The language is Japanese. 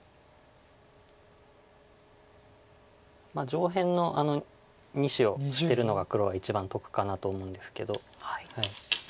上辺のあの２子を捨てるのが黒は一番得かなと思うんですけど。